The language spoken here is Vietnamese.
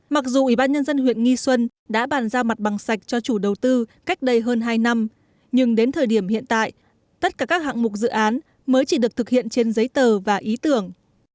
mặc dù ủy ban nhân dân huyện nghi xuân đã bàn ra mặt bằng sạch cho chủ đầu tư cách đây hơn hai năm nhưng đến thời điểm hiện tại tất cả các hạng mục dự án mới chỉ được thực hiện trên giấy tờ và ý tưởng